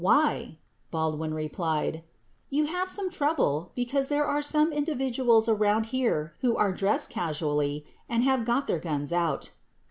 Why ?" Baldwin replied "You have some trouble because there are some in dividuals around here who are dressed casually and have got their gun out."